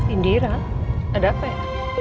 indira ada apa ya